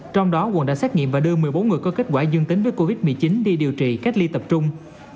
trong đó quận đã xét nghiệm và đưa một mươi bốn người có kết quả dương tính với covid một mươi chín đi điều trị cách ly tập trung